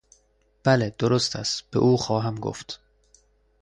بله درست است، به او خواهم گفت.